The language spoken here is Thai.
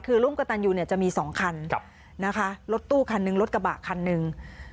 คือร่วมกระตันยูเนี่ยจะมี๒คันนะคะรถตู้คันนึงรถกระบะคันหนึ่ง